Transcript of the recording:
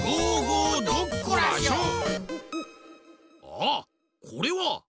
ああっこれは。